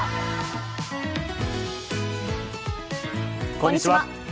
こんにちは。